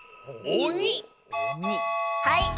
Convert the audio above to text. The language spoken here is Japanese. はい。